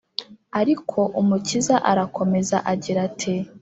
Ariko Umukiza arakomeza agira ati